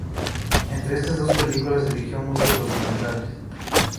Entre esas dos películas, dirigió muchos documentales.